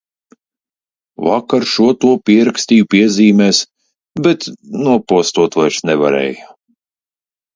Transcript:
Vakar šo to pierakstīju piezīmēs, bet nopostot vairs nevarēju.